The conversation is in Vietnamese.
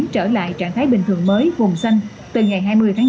trở lại trạng thái bình thường mới vùng xanh từ ngày hai mươi tháng chín